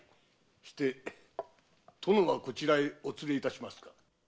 して殿はこちらへお連れいたしますか？